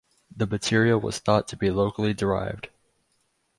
The material was thought to be locally derived.